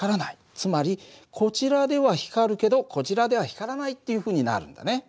つまりこちらでは光るけどこちらでは光らないっていうふうになるんだね。